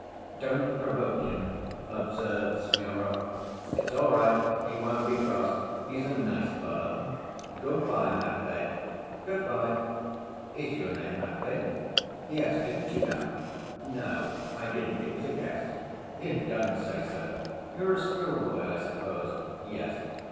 "Don't provoke him," observed Smurov. "It's all right; he won't be cross; he's a nice fellow. Good‐by, Matvey." "Good‐by." "Is your name Matvey?" "Yes. Didn't you know?" "No, I didn't. It was a guess." "You don't say so! You are a schoolboy, I suppose?" "Yes."